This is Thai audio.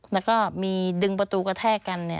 แล้วก็มีดึงประตูกระแทกกัน